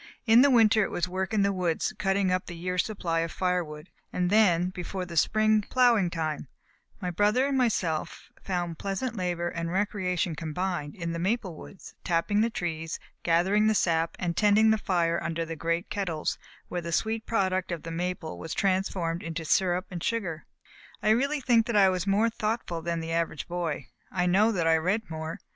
In the winter it was work in the woods, cutting up the year's supply of fire wood; and then, before the spring ploughing time, my brother and myself found pleasant labor and recreation combined in the maple woods, tapping the trees, gathering the sap and tending the fire under the great kettles where the sweet product of the maple was transformed into syrup and sugar. I really think that I was more thoughtful than the average boy. I know that I read more.